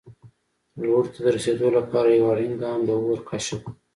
لوړو ته د رسېدو لپاره یو اړین ګام د اور کشف و.